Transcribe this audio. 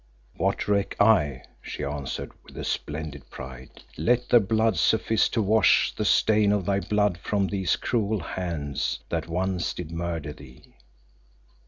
"What reck I?" she answered with a splendid pride. "Let their blood suffice to wash the stain of thy blood from off these cruel hands that once did murder thee."